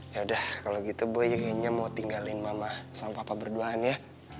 ya udah kalau gitu boy kayaknya mau tinggalin mama sama papa berduaan ya